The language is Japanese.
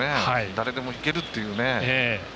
誰でもいけるっていう。